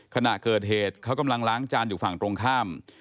ขณะเกิดเหตุเขากำลังล้างจานอยู่ฝั่งตรงข้าม